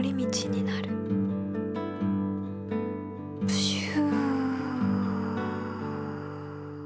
プシュ。